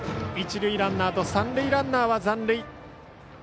一塁ランナーと三塁ランナーは残塁。